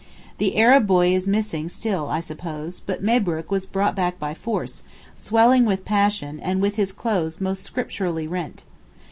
The Arab boy is missing still I suppose, but Mabrook was brought back by force, swelling with passion, and with his clothes most scripturally 'rent.